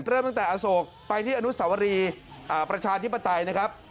เริ่มตั้งแต่อโศกไปที่อนุสวรีประชาธิปไตยนะครับ